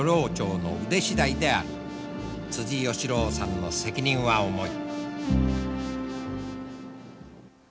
義郎さんの責任は重い。